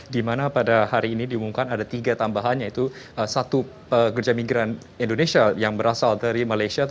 di mana pada hari ini diumumkan ada tiga tambahan yaitu satu pekerja migran indonesia yang berasal dari malaysia